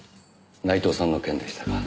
内藤さんの件でしたか。